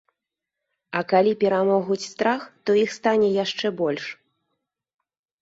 А калі перамогуць страх, то іх стане яшчэ больш.